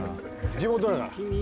地元だから。